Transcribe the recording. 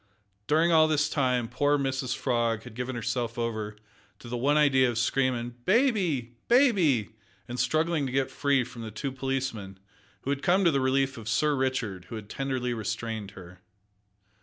During all this time poor Mrs Frog had given herself over to the one idea of screaming "baby! bai e by!" and struggling to get free from the two policemen, who had come to the relief of Sir Richard, and who tenderly restrained her.